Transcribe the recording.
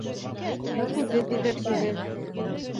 Факультет етәксеһе.